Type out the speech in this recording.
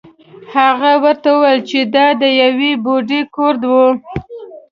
هغه ورته وویل چې دا د یوې بوډۍ کور و.